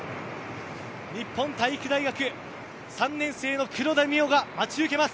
日本体育大学３年生の黒田澪が待ち受けます。